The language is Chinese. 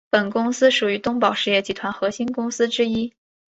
本公司属于东宝实业集团核心公司之一。